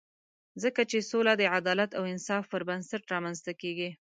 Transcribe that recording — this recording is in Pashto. ځکه چې سوله د عدالت او انصاف پر بنسټ رامنځته کېږي.